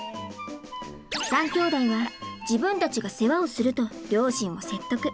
３姉弟は自分たちが世話をすると両親を説得。